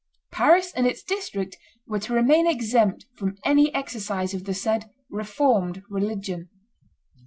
Paris and its district were to remain exempt from any exercise of the said "Reformed religion."